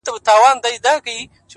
چي بيا ترې ځان را خلاصولای نسم،